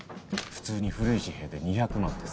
普通に古い紙幣で２００万です。